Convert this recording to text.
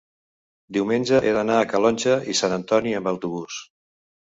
diumenge he d'anar a Calonge i Sant Antoni amb autobús.